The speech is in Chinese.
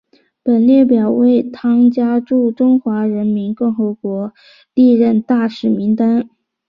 本列表为汤加驻中华人民共和国历任大使名录。